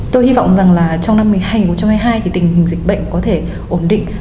tôi hy vọng rằng là trong năm hai nghìn hai mươi hai thì tình hình dịch bệnh có thể ổn định